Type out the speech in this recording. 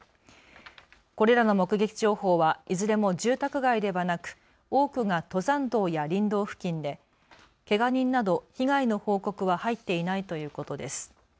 これらの目撃情報はいずれも住宅街ではなく多くが登山道や林道付近でけが人など被害の報告は入っていないということです。